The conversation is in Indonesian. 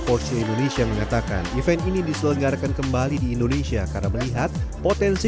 porshow indonesia mengatakan event ini diselenggarakan kembali di indonesia karena melihat potensi